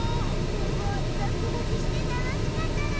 でもドキドキしてたのしかったな！